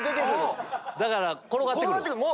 だから転がってくる？